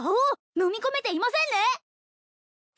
のみ込めていませんね